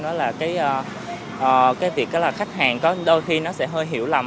đó là cái việc khách hàng đôi khi nó sẽ hơi hiểu lầm